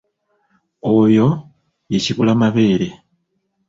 Oyo ye kibulamabeere.